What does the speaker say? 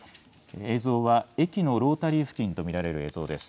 映像は駅のロータリー付近と見られる映像です。